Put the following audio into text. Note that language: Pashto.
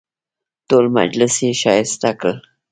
ټول مجلس یې ښایسته کړ.